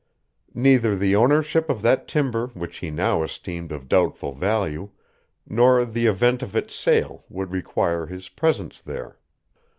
Neither the ownership of that timber which he now esteemed of doubtful value nor the event of its sale would require his presence there.